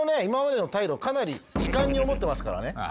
今までの態度かなり遺憾に思ってますからね。